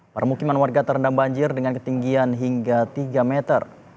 permukiman warga terendam banjir dengan ketinggian hingga tiga meter